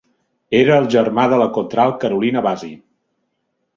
Era el germà de la contralt Carolina Bassi.